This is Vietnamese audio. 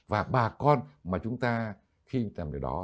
và bà con mà chúng ta khi làm điều đó